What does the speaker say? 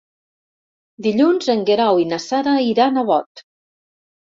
Dilluns en Guerau i na Sara iran a Bot.